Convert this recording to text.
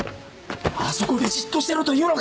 あそこでじっとしてろというのか！